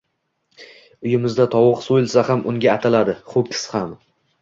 uyimizda tovuq so’yilsa ham unga ataladi, ho’kkiz ham…